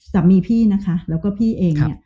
สัมมี่พี่แล้วก็พี่เอง